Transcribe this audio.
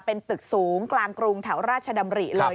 เป็นตึกสูงกลางกรุงแถวราชดำริเลย